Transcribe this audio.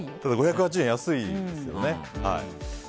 ５８０円、安いですよね。